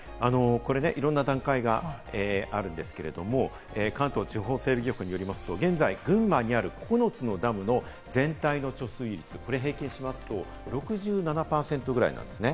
いろんな段階があるんですけれど、関東地方整備局によりますと、現在、群馬にある９つのダムの全体の貯水率、平均しますと６７％ぐらいなんですね。